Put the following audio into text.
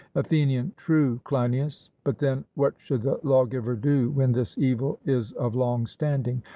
ATHENIAN: True, Cleinias; but then what should the lawgiver do when this evil is of long standing?